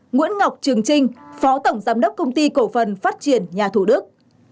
nguyễn ngọc trường trinh phó tổng giám đốc công ty cổ phần phát triển nhà thủ đức